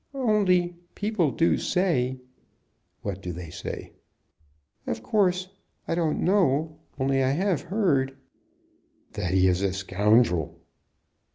"Only people do say " "What do they say?" "Of course I don't know; only I have heard " "That he is a scoundrel!"